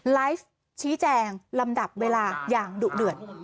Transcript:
ไลฟ์ชี้แจงลำดับเวลาอย่างดุเดือด